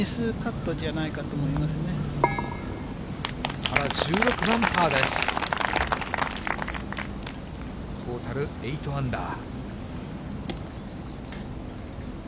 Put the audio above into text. トータル８アンダー。